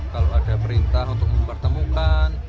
kalau ada perintah untuk mempertemukan